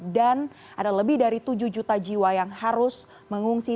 dan ada lebih dari tujuh juta jiwa yang harus mengungsi